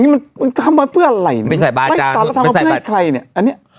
มึงทำมาเพื่ออะไรไม่สาระทำมาเพื่อให้ใครเนี่ย